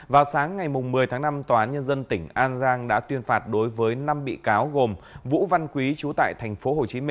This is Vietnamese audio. vào sáng ngày một mươi tháng năm tòa án nhân dân tỉnh an giang đã tuyên phạt đối với năm bị cáo gồm vũ văn quý chú tại tp hcm